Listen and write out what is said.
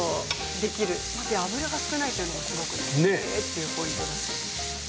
まず油が少ないというのがすごく、えー？っていうポイントだし。